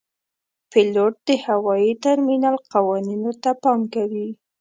پیلوټ د هوايي ترمینل قوانینو ته پام کوي.